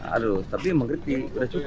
aduh tapi mengkritik udah cukup